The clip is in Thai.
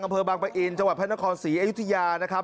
อำเภอบางปะอินจังหวัดพระนครศรีอยุธยานะครับ